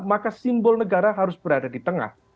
maka simbol negara harus berada di tengah